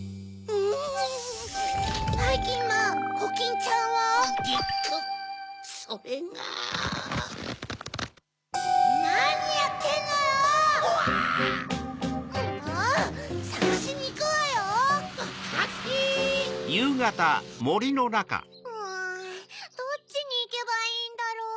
うんどっちにいけばいいんだろう？